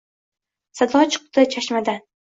Sado chikdi chashmadan: